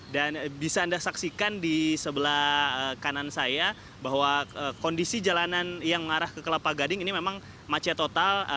dan bisa anda saksikan di sebelah kanan saya bahwa kondisi jalanan yang mengarah ke kelapa gading ini memang macet total